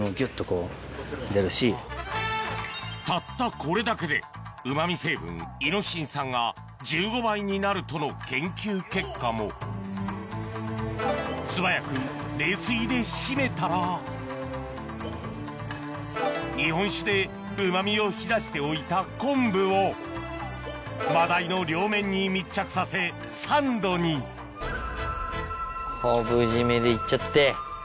たったこれだけでうまみ成分イノシン酸が１５倍になるとの研究結果も素早く日本酒でうまみを引き出しておいた昆布をマダイの両面に密着させサンドに昆布締めでいっちゃって。